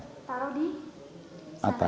taruh di atas